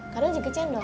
kadang juga cendol